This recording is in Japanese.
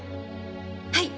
はい。